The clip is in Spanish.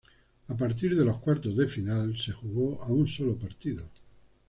A partir de los cuartos de final, se jugó a un sólo partido.